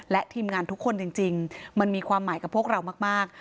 และทีมงานทุกคนจริงมันมีความหมายกับพวกเรามาก